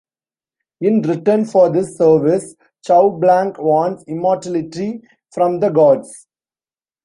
In return for this service Choublanc wants immortality from the gods.